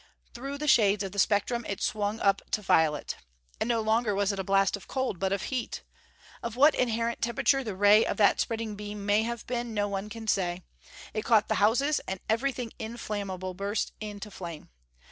Through the shades of the spectrum it swung up to violet. And no longer was it a blast of cold, but of heat! Of what inherent temperature the ray of that spreading beam may have been, no one can say. It caught the houses, and everything inflammable burst into flame.